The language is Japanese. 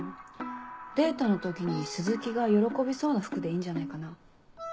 デートの時に鈴木が喜びそうな服でいいんじゃないかな。